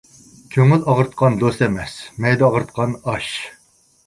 كۆڭۈل ئاغرىتقان دوست ئەمەس، مەيدە ئاغرىتقان ئاش.